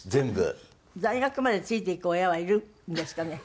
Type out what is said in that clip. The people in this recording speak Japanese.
大学までついていく親はいるんですかね？